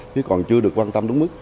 chứ còn chưa được quan tâm đúng mức